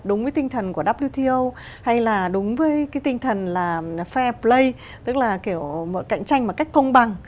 đúng với tinh thần của wto hay là đúng với cái tinh thần là fair play tức là kiểu cạnh tranh một cách công bằng